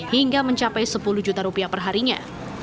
hingga mencapai sepuluh juta rupiah perharinya